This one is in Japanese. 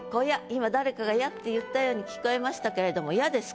今誰かが「や」って言ったように聞こえましたけれども「や」です